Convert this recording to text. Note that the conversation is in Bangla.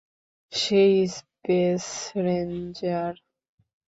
সেই স্পেস রেঞ্জার?